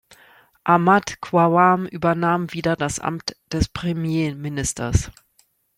Ahmad Qavam übernahm wieder das Amt des Premierministers.